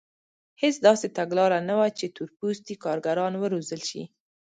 هېڅ داسې تګلاره نه وه چې تور پوستي کارګران وروزل شي.